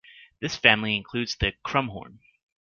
This family includes the crumhorn.